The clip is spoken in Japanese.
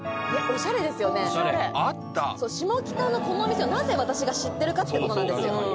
オシャレそう下北のこのお店をなぜ私が知ってるかってことなんですよ